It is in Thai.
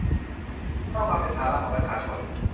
ต้องมาเป็นภาระของประชาชน